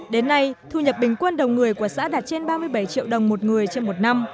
đến nay thu nhập bình quân đầu người của xã đạt trên ba mươi bảy triệu đồng một người trên một năm